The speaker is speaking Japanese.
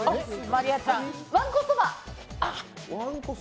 わんこそば！